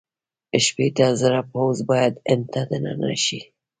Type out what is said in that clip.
شپېته زره پوځ باید هند ته دننه شي.